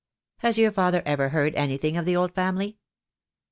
Has your father ever heard anything of the old family?"